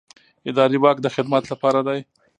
اداري واک د خدمت لپاره دی.